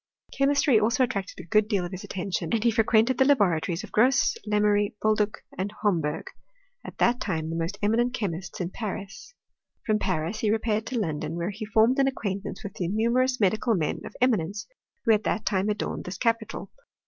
Chemistry also attracted a good deal of his attention, s^nd he fre quented the laboratories of Grosse, Lemery, Boldue, and Homberg, at that time the most eminent chexQists in Paris. From Paris he repaired to London, where he formed an acquaintance with the numerous medical men qf eminence who at that time adorned this capital.